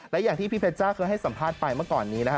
และอย่างที่พี่เพชจ้าเคยให้สัมภาษณ์ไปเมื่อก่อนนี้นะฮะ